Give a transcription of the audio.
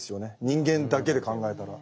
人間だけで考えたら。